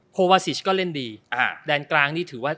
วาซิชก็เล่นดีอ่าแดนกลางนี่ถือว่า